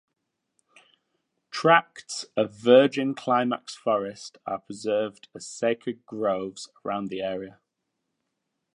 Tracts of virgin climax forest are preserved as sacred groves around the area.